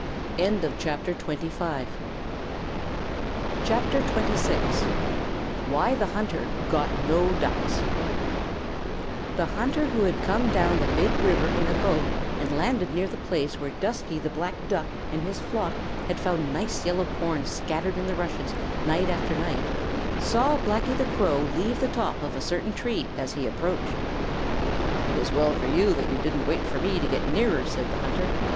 CHAPTER XXVI: Why The Hunter Got No Ducks The hunter who had come down the Big River in a boat and landed near the place where Dusky the Black Duck and his flock had found nice yellow corn scattered in the rushes night after night saw Blacky the Crow leave the top of a certain tree as he approached. "It is well for you that you didn't wait for me to get nearer," said the hunter.